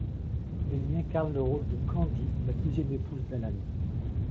Elle y incarne le rôle de Kandi, la deuxième épouse d'Alan.